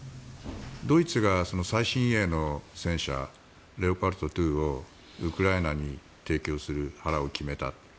ドイツが最新鋭の戦車レオパルト２をウクライナに提供する腹を決めた。